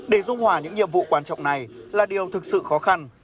để dung hòa những nhiệm vụ quan trọng này là điều thực sự khó khăn